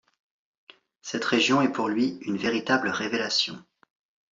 Cette région est pour lui une véritable révélation.